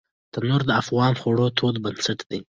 تنور د افغانو خوړو تود بنسټ دی